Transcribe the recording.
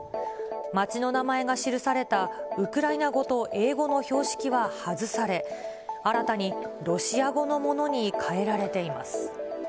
街の名前が記されたウクライナ語と英語の標識は外され、新たにロシア語のものに変えられています。